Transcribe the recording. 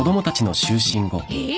えっ？